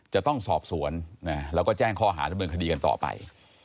จะต้องสอบสวนแล้วก็แจ้งข้อหาดำเนินคดีกันต่อไป